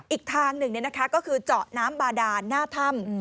อีกทางหนึ่งก็คือเจาะน้ำบาดานหน้าถ้ำ